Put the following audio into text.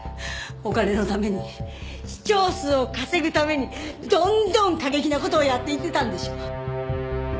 お金のために視聴数を稼ぐためにどんどん過激な事をやっていってたんでしょ？